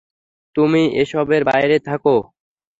তুমি এসবের বাইরে থাকো!